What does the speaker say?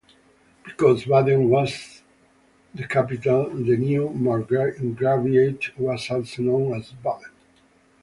Because Baden was the capital, the new Margraviate was also known as Baden.